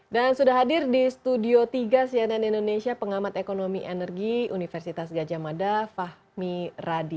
dan sudah hadir di studio tiga cnn indonesia pengamat ekonomi energi universitas gajah mada fahmi radi